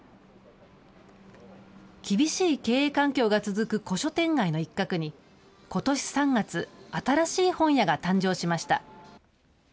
厳しい経営環境が続く古書店街の一角に、ことし３月、新しい本屋が誕生しました。